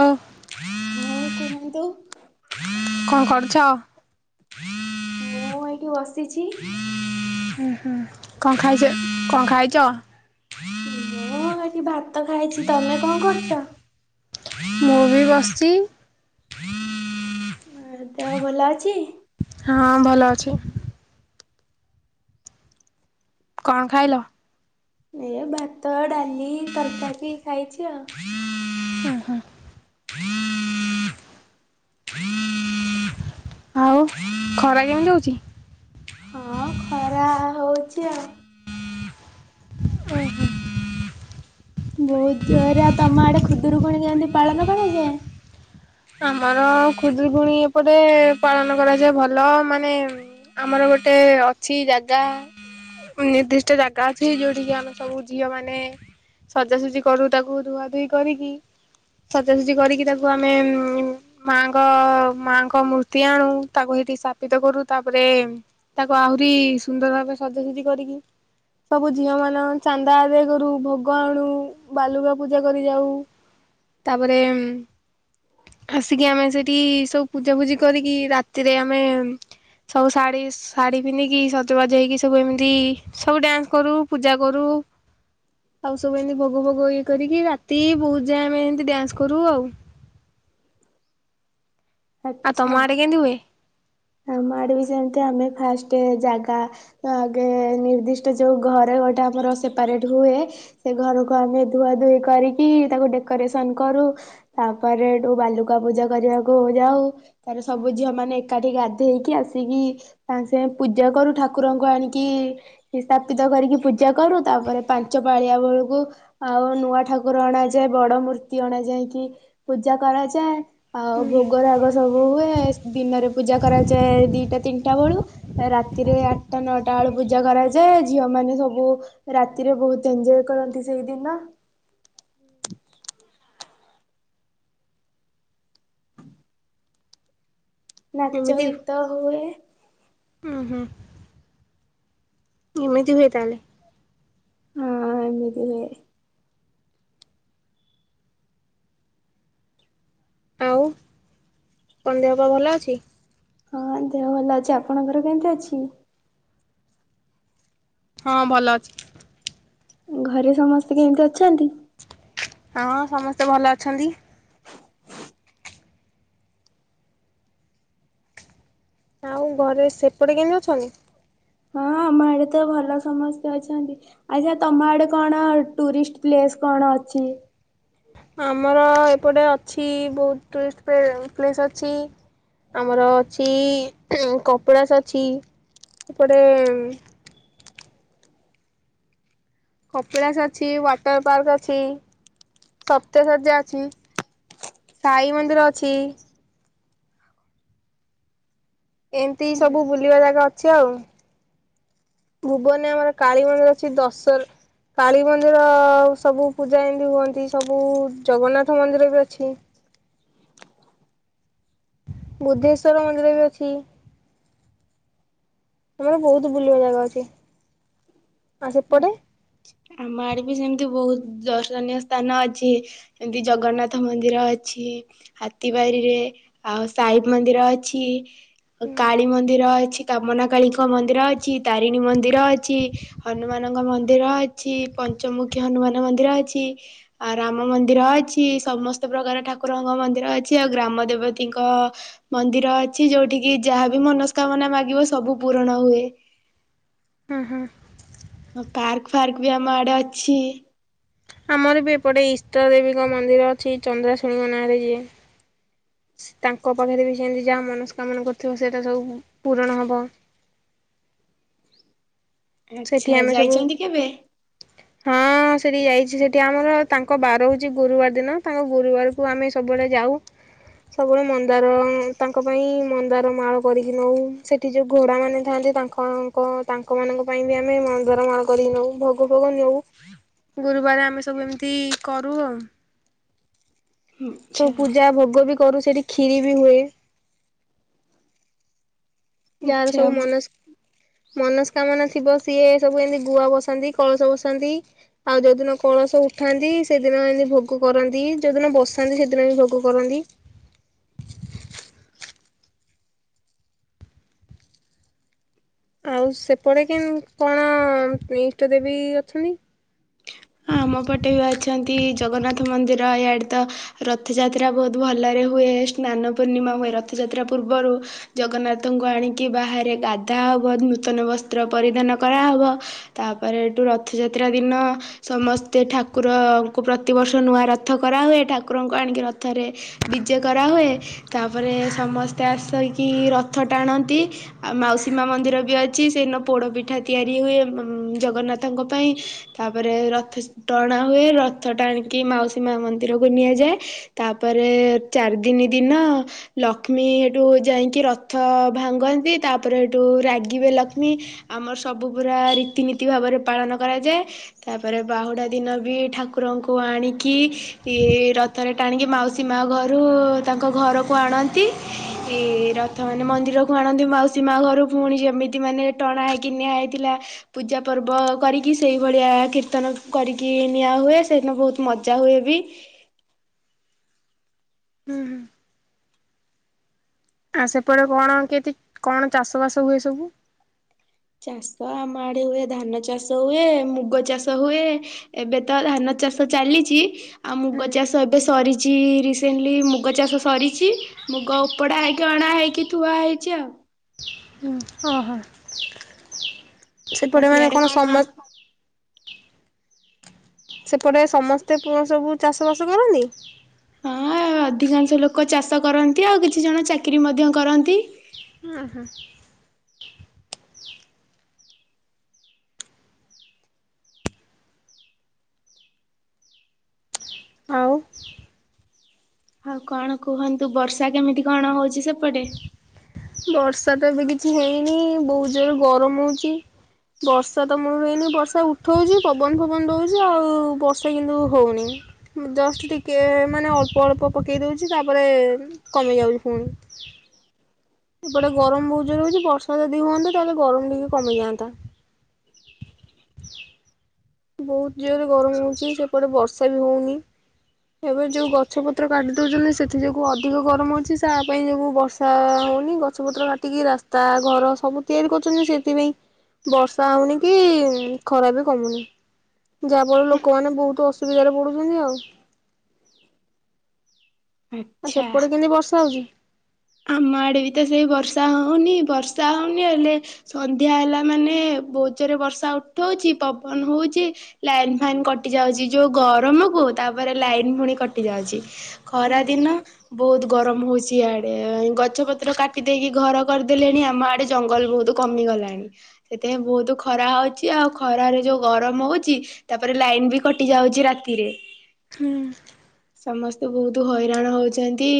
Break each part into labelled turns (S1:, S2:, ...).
S1: ଓ
S2: ହଁଉ କୁହନ୍ତୁ।
S1: କଣ କହୁଛ
S2: ମୁଁ ଏଇଠି ବସିଛି।
S1: ହୁଁ ହୁଁ କଣ ଖାଇଛ କଣ ଖାଇଛ?
S2: ମୁଁ ଆ ବା ଭାତ ଖାଇଛି ତମେ କଣ କରୁଛ?
S1: ମୁଁ ବି ବସିଛି
S2: ଆ ଦେହ ଭଲ ଅଛି।
S1: ହଁ ଭଲ ଅଛି କଣ ଖାଇଲ
S2: ଏ ଭାତ ଡାଲି ତରକାରୀ ଖାଇଛି ଆଉ।
S1: ହ ହୋ ଆଉ ଖରା କେଉଁ ଯାଉଛି।
S2: ହଁ ଖରା ହଉଛି ଆଉ।
S1: ଓ ହୋ
S2: ବହୁତ ଜୋରରେ ଆଉ ତମ ଆଡେ ଖୁଦରୁକୁୁଣ କେନ୍ତି ପାଳନ କଣ ଯେ
S1: ଆମର ଖୁଦ୍ରକୁୁଣୀ ଏପଟେ ପାଳନ କରାଯାଏ ଭଲ ମାନେ ଆମର ଗୋଟେ ଅଛି ଜାଗା ନିର୍ଦ୍ଦିଷ୍ଟ ଜାଗା ଅଛି ଯୋଉଠିକି ଆମେ ସବୁ ଝିଅ ମାନେ ସଜାସଜି କରୁ ତାକୁ ଧୁଆ ଧଇ କରିକି ସଜାସଜି କରିକି ତାକୁ ଆମେ ମାଙ୍କ ମାଙ୍କ ମୂର୍ତ୍ତି ଆଣୁ ତାକୁ ସେଇଠି ସ୍ଥାପିତ କରୁ ତାପରେ ତାକୁ ଆହୁରି ସୁନ୍ଦର ଭାରେ ସଜାସଜି କରିକି ସବୁ ଝିଅ ମାନ ଚାନ୍ଦା ଆଦାୟ କରୁ ଭୋଗ ଆଣୁ ବାଲୁକା ପୂଜା କରି ଯାଉ ତାପରେ ଆସିକି ଆମେ ସେଠି ସବୁ ପୂଜା ଫୂଜି କରିକି ରାତିରେ ଆମେ ସବୁ ଶାଢୀ ଶାଢୀ ପିନ୍ଧିକି ସଜବାଜ ହେଇକି ସବୁ ଏମିତି ସବୁ ଡ୍ୟାନ୍ସ କରୁ ପୂଜା କରୁ ଆଉ ସବୁ ଏମିତି ଭୋଗ ଭୋଗ ଇଏ କରିକି ରାତି ବହୁତ ଯାଏ ଆମେ ଏମିତି ଡ୍ୟାନ୍ସ କରୁ ଆଉ ଆ ତମ
S2: ଆଚ୍ଛା
S1: ଆଡ଼େ କେନତି ହୁଏ।
S2: ଆମ ଆଡେ ବି ଯେମତି ଆମେ ଫାଷ୍ଟ ଜାଗା ଆଗେ ନିର୍ଦ୍ଦିଷ୍ଟ ଯୋଉ ଘରେ ଗୋଟେ ଆମର ସେପାରେଟ ହୁଏ। ସେ ଘରକୁ ଆମେ ଧୁଆ ଧୁଇ କରିକି ତାକୁ ଡେକୋରେସନ କରୁ। ତାପରେ ଠୁ ବାଲୁକା ପୂଜା କରିବାକୁ ଯାଉ। ତାର ସବୁ ଝିଅ ମାନେ ଏକା ସେଠି ଗାଧେଇକି ଆସିକି ସାଙ୍ଗେ ସାଙ୍ଗେ ପୂଜା କରୁ। ଠାକୁରଙ୍କୁ ଆଣିକି ସ୍ଥାପିତ କରିକି ପୂଜା କରୁ ତାପରେ ପାଞ୍ଚ ପାଳିଆ ବେଳକୁ ଆଉ ନୂଆ ଠାକୁର ଅଣାଯାଏ। ବଡ ମୂର୍ତ୍ତି ଅଣା ଯାଇକି ପୂଜା କରାଯାଏ। ଆଉ
S1: ହୁଁ
S2: ଭୋଗ ରାଗ ସବୁ ହୁଏ। ହେସ୍ ଦିନରେ ପୂଜା କରାଯାଏ ଦିଟା ତିନିଟା ବେଳୁ ରାତିରେ ଆଠଟା ନଅଟା ବେଳୁ ପୂଜା କରାଯାଏ ଝିଅ ମାନ ସବୁ ରାତିରେ ବହୁତ ଏଞୟ କରନ୍ତି ସେଇଦିନ ନାଚ ଗୀତ ହୁଏ।
S1: ଓ ହୁଁ ଏମିତି ହୁଏ ତାହେଲେ।
S2: ହଁ ଅଁ ଏମିତି ହୁଏ।
S1: ଆଉ କଣ ଦେହପା ଭଲ ଅଛି।
S2: ହଁ ଦେହ ଭଲ ଅଛି ଆପଣଙ୍କର କେମିତି ଅଛି।
S1: ହଁ ଭଲ ଅଛି।
S2: ଘରେ ସମସ୍ତେ କେମିତି ଅଛନ୍ତି।
S1: ହଁ ସମସ୍ତେ ଭଲ ଅଛନ୍ତି। ଆଉ ଘରେ ସେପଟେ କେମିତି ଅଛନ୍ତି।
S2: ହଁ ଆମ ଆଡେ ତ ଭଲ ସମସ୍ତେ ଅଛନ୍ତି ଆଛା ତମ ଆଡେ କଣ ଟୁରିଷ୍ଟ ପ୍ଲେସ କଣ ଅଛି।
S1: ଆମର ଏପଟେ ଅଛି ବହୁତ ଟୁରିଷ୍ଟ ପେ ପ୍ଲେସ୍ ଅଛି। ଆମର ଅଛି କପିଳାସ ଅଛି ଏପଟେ। କପିଳାାସ ଅଛି ୱାଟର ପାର୍କ ଅଛି। ସପ୍ତଶଯ୍ୟା ଅଛି ସାଇ ମନ୍ଦିର ଅଛି। ଏମିତି ସବୁ ବୁଲିବା ଜାଗା ଅଛି ଆଉ ଭୁବନରେ ଆମର କାଳୀ ମନ୍ଦିର ଅଛି। ଦଶହର କାଳୀ ମନ୍ଦିର ସବୁ ପୂଜା ଏମିତି ହୁଅନ୍ତି ସବୁ ଜଗନ୍ନାଥ ମନ୍ଦିର ବି ଅଛି। ବୁଦ୍ଧେଶ୍ଵର ମନ୍ଦିର ବି ଅଛି। ଆମର ବୋହୁତ୍ ବୁଲିବା ଜାଗା ଅଛି। ଆଉ ସେପଟେ।
S2: ଆମ ଆଡେ ବି ସେମିତି ବହୁତ ଦର୍ଶନୀୟ ସ୍ଥାନ ଅଛି। ଯେମିତି ଜଗନ୍ନାଥ ମନ୍ଦିର ଅଛି ହାତୀିବାରିରେ ଆଉ ସାଇ ମନ୍ଦିର ଅଛି।
S1: ହୁଁ
S2: କାଳୀ ମନ୍ଦିର ଅଛି। କାମନା କାଳୀଙ୍କ ମନ୍ଦିର ଅଛି ତାରିଣୀ ମନ୍ଦିର ଅଛି। ହନୁମାନଙ୍କ ମନ୍ଦିର ଅଛି ପଞ୍ଚମୁଖୀ ହନୁମାନ ମନ୍ଦିର ଅଛି। ଆ ରାମ ମନ୍ଦିର ଅଛି ସମସ୍ତ ପ୍ରକାର ଠାକୁରଙ୍କ ମନ୍ଦିର ଅଛି। ଆଉ ଗ୍ରାମ ଦେବତୀଙ୍କ ମନ୍ଦିର ଅଛି ଯୋଉଠିକି ଯାହା ବି ମନସ୍କାମନା ମାଗିବ ସବୁ ପୂରଣ ହୁଏ।
S1: ହୁଁ ହୁଁ
S2: ହଁ ପାର୍କ ଫାର୍କ ବି ଆମ ଆଡେ ଅଛି।
S1: ଆମର ବି ଏପଟେ ଇଷ୍ଟ ଦେବୀଙ୍କ ମନ୍ଦିର ଅଛି ଚନ୍ଦ୍ରାଶୁଣୀଙ୍କ ନାଁରେ ଯିଏ। ତାଙ୍କ ପାଖରେ ବି ସେମିତି ଯାହା ମନସ୍କାମନା କରିଥିବ ସେଟା ସବୁ ପୂୁରଣ ହବ। ସେଠି
S2: ଆଛା
S1: ଆମେ ସବୁ
S2: ଯାଇଛନ୍ତି କେବେ?
S1: ହଁ ସେଠିକି ଯାଇଛି ସେଠି ଆମର ତାଙ୍କ ବାର ହଉଛି ଗୁରୁବାର ଦିନ। ତାଙ୍କ ଗୁରୁବାରକୁ ଆମେ ସବୁବେଳେ ଯାଉ ସବୁବେଳେ ମନ୍ଦାର ତାଙ୍କ ପାଇଁ ମନ୍ଦାର ମାଳ କରିକି ନଉ ସେଠି ଯୋଉ ଘୋଡା ମାନେ ଥାଆନ୍ତି ତାଙ୍କ ଙ୍କ ତାଙ୍କ ମାନଙ୍କ ତା ପାଇଁ ବି ଆମେ ମନ୍ଦାର ମାଳ କରିି ନଉ ଭୋଗ ଭୋଗ ନଉ। ଗୁରୁବାର ଆମେ ସବୁ ଏମିତି କରୁ ଆଉ।
S2: ଆଚ୍ଛା
S1: ସବୁ ପୂଜା ଭୋଗ ବି କରୁ ସେଠି କ୍ଷିରି ବି ହୁଏ। ଯାହାର
S2: ଆଚ୍ଛା।
S1: ସବୁ
S2: ହଁ
S1: ମନସ୍ ମନସ୍କାମନା ଥିବ ସିଏ ସବୁ ଏମିତି ଗୁଆ ବସାନ୍ତି କଳସ ବସାନ୍ତି। ଆଉ ଯୋଉଦିନ କଳସ ଉଠାନ୍ତି ସେଦିନ ଏମିତି ଭୋଗ କରନ୍ତି। ଯୋଉଦିନ ବସାନ୍ତି ସେଦିନ ବି ଭୋଗ କରନ୍ତି। ଆଉ ସେପଟେ କି କଣ ଇଷ୍ଟ ଦେବୀ ଅଛନ୍ତି।
S2: ଆମ ପଟେ ବି ଅଛନ୍ତି। ଜଗନ୍ନାଥ ମନ୍ଦିର ଇଆଡ଼େ ତ ରଥଯାତ୍ରା ବହୁତ ଭଲରେ ହୁଏ। ସ୍ନାନ ପୂର୍ଣ୍ଣିମା ହୁଏ ରଥଯାତ୍ରା ପୂର୍ବରୁ ଜଗନ୍ନାଥଙ୍କୁ ଆଣିକି ବାହାରେ ଗାଧାହବ ନୂତନ ବସ୍ତ୍ର ପରିଧାନ କରାହେବ। ତାପରେ ଏଠୁ ରଥଯାତ୍ରା ଦିନ ସମସ୍ତେ ଠାକୁରଙ୍କୁ ପ୍ରତିବର୍ଷ ନୂଆ ରଥ କରାହୁଏ। ଠାକୁରଙ୍କୁ ଆଣିକି ରଥରେ ବିଜେ କରାହୁଏ। ତପରେ ସମସ୍ତେ ଆସିକି ରଥ ଟାଣନ୍ତି ଆଉ ମାଉସୀ ମା ମନ୍ଦିର ବି ଅଛି। ସେଦିନ ପୋଡ଼ପିଠା ତିଆରି ହୁଏ ଜଗନ୍ନାଥଙ୍କ ପାଇଁ ତାପରେ ତାରେ ରଥ ଟଣା ହୁଏ ରଥ ଟାଣିକି ମାଉସୀ ମା ମନ୍ଦିରକୁ ନିଆଯାଏ ତାପରେ ଚାରିଦିନି ଦିନ ଲକ୍ଷ୍ମୀ ଏଠୁ ଯାଇକି ରଥ ଭାଙ୍ଗନ୍ତି ତାପରେ ହେଠୁ ରାଗିବେ ଲକ୍ଷ୍ମୀ ଆମର ସବୁ ପୁରା ରୀତିନୀତି ଭାବରେ ପାଳନ କରାଯାଏ। ତାପରେ ବାହୁଡ଼ା ଦିନ ବି ଠାକୁରଙ୍କୁ ଆଣିକି ରଥରେ ଟାଣିକି ମାଉସୀ ମା ଘରୁ ତାଙ୍କ ଘରକୁ ଆଣନ୍ତି। ଏ ରଥ ମାନେ ମନ୍ଦିରକୁ ଆଣ ଆଣନ୍ତି ମାଉସୀ ମା ଘରୁ ପୁଣି ଯେମିତି ମାନେ ଟଣା ହେକିନିଆ ହେଇଥିଲା ପୂଜା ପର୍ବ କରିକି ସେଇଭଳିଆ କୀର୍ତ୍ତନ କରିକି ନିଆ ହୁଏ ସେଇଦିନ ବହୁତ ମଜା ହୁଏ ବି
S1: ହୁଁ ହୁଁ ଆଉ ସେପଟେ କଣ କେତି କଣ ଚାଷ ବାସ ହୁଏ ସବୁ
S2: ଚାଷ ଆମ ଆଡେ ହୁଏ ଧାନ ଚାଷ ହୁଏ ମୁଗ ଚାଷ ହୁଏ ଏବେ ତ ଧାନ ଚାଷ ଚାଲିଚି ଆଉ ମୁଗ ଚାଷ ଏବେ ସରିଚି ରିସେଣ୍ଟଲି ମୁଗ ଚାଷ ସରିଚି ମୁଗ ଉପଡା ହେଇକି ଅଣା ହେଇକି ଥୁଆ ହେଇଛି ଆଉ। ଆଉ
S1: ସେପଟ ମାନେ
S2: ସିଆଡେ
S1: କଣ ସମ ସେପଟେ ସମସ୍ତେ ସବୁ ଚାଷବାସ କରନ୍ତି।
S2: ହଁ ଅଧିକାଂଶ ଲୋକ ଚାଷ କରନ୍ତି ଆଉ କିଛି ଜଣ ଚାକିରିୀ ମଧ୍ୟ କରନ୍ତି।
S1: ହଁ ହଁ। ଆଉ।
S2: ଆଉ କଣ କୁହନ୍ତୁ ବର୍ଷା କେମିତି କଣ ହଉଚି ସେପଟେ।
S1: ବର୍ଷା ତ ଏବେ କିଛି ହେଇନି ବହୁତ ଜୋରେ ଗରମ ହଉଛି ବର୍ଷା ତ ମୁଁ ହେଇନି ବର୍ଷା ଉଠଉଛି ପବନ ଫବନ ଦଉଛି ଆଉ ବର୍ଷା କିନ୍ତୁ ହଉନି ଜଷ୍ଟ ଟିକେ ମାନେ ଅଳ୍ପ ଅଳ୍ପ ପକେଇ ଦଉଛି ତାପରେ କମେଇ ଯାଉଛି ପୁଣି। ସେପଟେ ଗରମ ବହୁତ ଜ ରହୁଛି ବର୍ଷା ଯଦି ହୁଅନ୍ତା ତାହେଲେ ଗରମ ଟିକେ କମିଯାଆନ୍ତା। ବହୁତ ଜୋରେ ଗରମ ହଉଚି ସେପଟେ ବର୍ଷା ବି ହଉନି ଏବେ ଯୋଉ ଗଛ ପତ୍ର କାଟି ଦଉଛନ୍ତି ସେଥି ଯୋଗୁ ଅଧିକ ଗରମ ହଉଛି ତା ପାଇଁ ଯୋଗୁ ବର୍ଷା ହଉନି ଗଛ ପତ୍ର କାଟିକି ରାସ୍ତା ଘର ସବୁ ତିଆରି କରୁଛନ୍ତି ସେଥିପାଇଁ ବର୍ଷା ହଉନି କି ଖରା ବି କମୁନି। ଯାହା ଫଳରେ ଲୋକମାନୋନ ବହୁତ୍ ଅସୁ ସୁବିଧାରେ ପଡୁଛନ୍ତି ଆଉ। ଆଉ
S2: ଆଚ୍ଛା
S1: ସେପଟେ କେମିତି ବର୍ଷା ହଉଚି।
S2: ଆମ ଆଡେ ବି ତ ସେଇ ବର୍ଷା ହଉନି ବର୍ଷା ହଉନି ହେଲେ ସନ୍ଧ୍ୟା ହେଲା ମାନେ ବୋଉ ଜୋରେ ବର୍ଷା ଉଠଉଛି ପବନ ହଉଛି ଲାଇନ ଫାଇନ୍ କଟି ଯାଉଛି ଯୋଉ ଗରମ କ ତାପରେ ଲାଇନ ପୁଣି କଟି ଯାଉଛି। ଖରା ଦିନ ବହୁତ୍ ଗରମ ହଉଛି ଆଡ ଗଛ ପତ୍ର କାଟି ଦେଇେଇକି ଘର କରିଦେଲେଣି ଆମ ଆଡେ ଜଙ୍ଗଲ ବହୁତ କମିଗଲାଣି ସେଥିପାଇଁ ବହୁତ ଖରା ହଉଛି ଆଉ ଖରାରେ ଯୋଉ ଗରମ ହଉଛି ତାପରେ ଲାଇନ ବି କଟି ଯାଉଛି ରାତିରେ।
S1: ହୁଁ।
S2: ସମସ୍ତେ ବହୁତ ହଇରାଣ ହଉଛନ୍ତି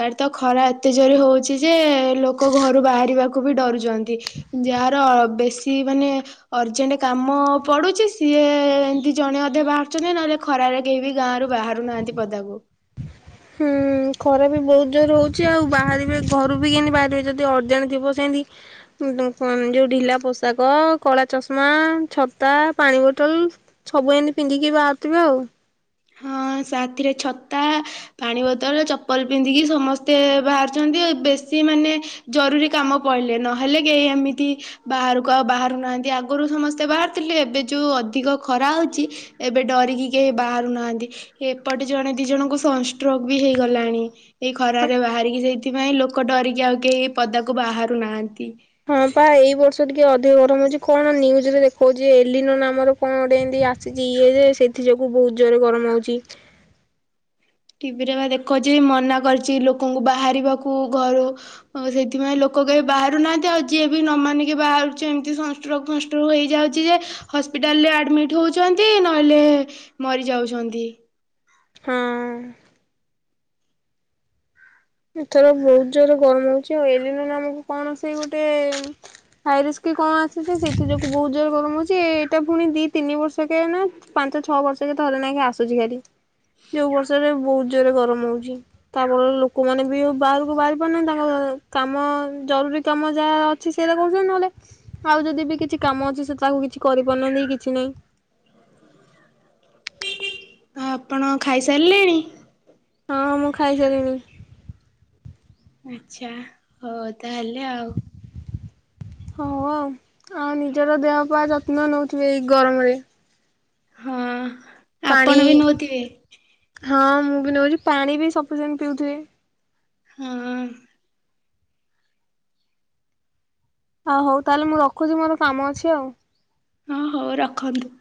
S2: କା ତ ଖରା ଏତେ ଜୋରେ ହଉଚି। ଯେ ଲୋକ ଘରୁ ବାହାରିବାକୁ ବି ଡରୁଛନ୍ତି ଯାହାର ବେଶୀ ମାନେ ଅର୍ଜେଣ୍ଟ କାମ ପଡୁଚି ସିଏ ଏମିତି ଜଣେ ଅଧ ବାହାରୁଛନ୍ତି ନହେଲେ ଖରାରେ କେହି ବି ଗାଁ ରରୁ ବାହାରୁ ନାହାନ୍ତି ପଦାକୁ
S1: ହୁଁ ଖରା ବି ବହୁତ ଜୋର ହଉଛି ଆଉ ବାହାରିବେ ଘରୁ ବି କେମିତି ବାହାରିବେ ଯଦି ସର୍ଜେଣ୍ଟ ଥିବ ସେମିତି ଯୋଉ ଢିଲା ପୋଷାକ କଳା ଚଷମା ଛତା ପାଣି ବୋଟଲ ସବୁ ଏମିତି ପିନ୍ଧିକି ବାହାରୁଥିବେ ଆଉ।
S2: ହଁ ସାଥିରେ ଛତା ପାଣି ବୋତଲ ଚପଲ ପିନ୍ଧିକି ସମସ୍ତେ ବାହାରୁଛନ୍ତି ବେଶୀ ମାନେ ଜରୁରୀ କାମ ପଡ଼ିଲେ ନହେଲେ କେହି ଏମିତି ବାହାରକୁ ଆଉ ବାହାରୁନାହାଁନ୍ତି ଆଗରୁ ସମସ୍ତେ ବାହାରାରୁଥିଲେ ଏବେ ଯୋଉ ଅଧିକ ଖରା ହଉଛି ଏବେ ଡରିକି କେହି ବା ହାନ୍ତି ଏପଟେ ଜଣେ ଦି ଜଣଙ୍କୁ ସଷ୍ଟ୍ରୋକ ବି ହେଇଗଲାଣି। ସେଇ ଖର ରେ ବାହାରିକି ସେଇ ସେଥିପାଇଁ ଲୋକ ଡରିକି ଆଉ କେହି ପଦାକୁ ବାହାରୁ ନାହାନ୍ତି।
S1: ହଁ ପା ଏଇ ବର୍ଷ ଟିକେ ଅଧିକ ଗରମ ହଉଛି କଣ ନିୁଜରେ ଦେଖଉଛି ଏଲିନ ନାମରେ କଣ ଗୋଟେ ଏମତି ଆସିଛି ଇଏ ଯେ ସେଇଥି ଯୋଗୁ ବହୁତ ଜୋରରେ ଗରମ ହଉଚି।
S2: ଟିଭିରେ ବା ଦେଖଛି ମନା କରିଛି ଲୋକଙ୍କୁ ବାହାରିବାକୁ ଘରୁ ସେଥିପାଇଁ ଲୋକ କେହି ବାହାରୁନାହାନ୍ତି ଆଉ ଯିଏ ବି ନ ମାନିକି ବାହାରୁଛି ଏମିତି ସଷ୍ଟ୍ରକ ଫଷ୍ଟ୍ରକ ହେଇଯାଉଚି ଯେ ହସ୍ପିଟାଲରେ ଆଡମିଟ ହଉଛନ୍ତି ନହେଲେ ମରିଯାଉଛନ୍ତି।
S1: ହଁ। ଏଥର ବହୁତ ଜୋରରେ ଗରମ ହଉଛି ଆଉ ଏଲିନ ଆମକୁ କଣ ସେ ଗୋଟେ ହସ୍କ କଣ ଆସିୁଛି ସେଇଥି ଯୁ ବହୁତ ଜୋରରେ ଗରମ ହଉଛି ଏଇଟା ପୁଣି ଦି ତିନି ବର୍ଷ କେ ନା ପାଞ୍ଚ ଛଅ ବର୍ଷ କେ ଥରେ ନାଇଁ ଆସୁଛି ଖାଲି ଯୋଉ ବର୍ଷରେ ବହୁତ ଜୋରରେ ଗରମ ହଉଛି ତାପରେ କୋଉମାନୋନ ବି ବାହାରକୁ ବାହାରି ପାରୁନାହାନ୍ତି ତାଙ୍କ କାମ ଜରୁରୀ କାମ ଯାହା ଅଛି ସେଟା କରହୁଛନ୍ତି ନହେଲେ ଆଉ ଯଦି ବି କିଛି କାମ ଅଛି ସେ ତାକୁ କିଛି କରିପାରୁନାହାନ୍ତି କିଛି ନାହିଁ।
S2: ଆ ଆପଣ ଖାଇସାରିଲେଣି।
S1: ହଁଁ ମୁଁ ଖାଇସାରିଲିନି।
S2: ଆଛା ହଉ ତାହେଲେ ଆଉ।
S1: ହଁ ଆଉ ନିଜର ଦେହ ପାଇଁ ଯତ୍ନ ନଉଥିବେ ଏଇ ଗରମରେ।
S2: ହଁ।
S1: ପାଣି
S2: ଆପଣ ବି ନଉଥିବେ
S1: ହଁ ମୁଁ ବି ନଉଚି ପାଣି ବି ସପିସେଣ୍ଟ ପିଉଥିବେ
S2: ହୁଁ
S1: ହଉ ହଉ ତାହେଲେ ମୁଁ ରଖୁଛି ମୋର କାମ ଅଛି ଆଉ
S2: ହଁ ହଉ ରଖନ୍ତୁ